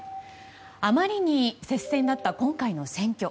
あまりに接戦だった今回の選挙。